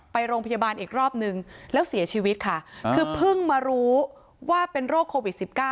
ไปโรงพยาบาลอีกรอบนึงแล้วเสียชีวิตค่ะคือเพิ่งมารู้ว่าเป็นโรคโควิด๑๙